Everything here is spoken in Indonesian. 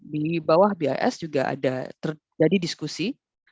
di bawah bis juga ada terjadi diskusi